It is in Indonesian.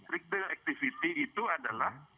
retail activity itu adalah